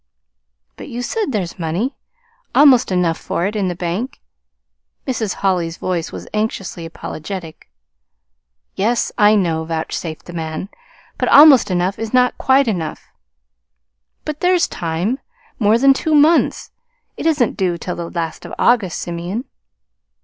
"But you say there's money almost enough for it in the bank." Mrs. Holly's voice was anxiously apologetic. "Yes, I know" vouchsafed the man. "But almost enough is not quite enough." "But there's time more than two months. It isn't due till the last of August, Simeon."